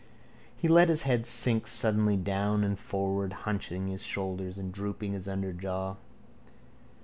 He let his head sink suddenly down and forward, hunching his shoulders and dropping his underjaw.